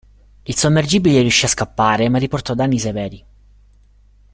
Il sommergibile riuscì a scappare, ma riportò danni severi.